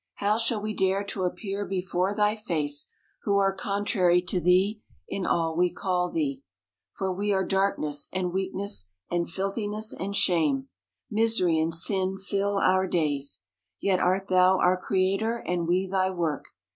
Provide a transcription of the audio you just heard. How shall we dare to appear before thy face, who are contrary to thee, in all we call thee ? For we are darkness, and weak ness, and lilthiness, and shame. Misery and sin fill our days. Yet art thou our Creator, and we thy work.